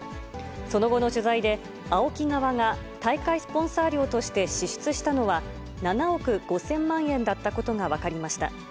その後の取材で、ＡＯＫＩ側が大会スポンサー料として支出したのは、７億５０００万円だったことが分かりました。